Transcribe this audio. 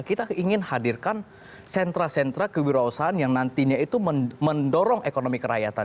kita ingin hadirkan sentra sentra kewirausahaan yang nantinya itu mendorong ekonomi kerakyatan